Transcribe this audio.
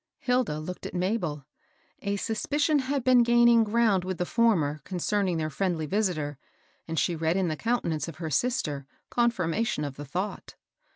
Hilda looked at Mabel. A suspicion had been gaining ground with the former concerning their friendly visitor, and she read in the countenance of her sister confirmation of the thought.